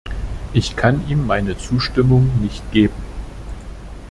Ich kann ihm meine Zustimmung nicht geben.